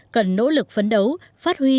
cần nỗ lực phấn đấu phát huy